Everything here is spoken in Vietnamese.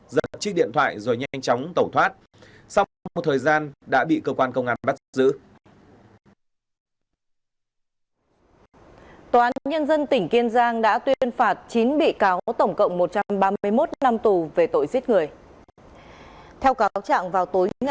giật chiếc điện thoại rồi nhanh chóng tẩu thoát